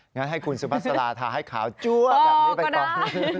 งั้นให้คุณสุภาษาลาทาให้ขาวจั๊วแบบนี้ไปก่อน